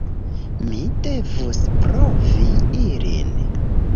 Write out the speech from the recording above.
Mi devus provi ilin.